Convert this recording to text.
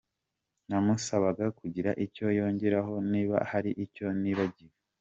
Namusabaga kugira icyo yongeraho niba hari icyo nibagiwe.